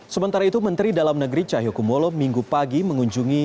sementara itu menteri dalam negeri cahyokumolo minggu pagi mengunjungi